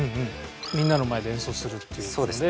みんなの前で演奏するっていう事で。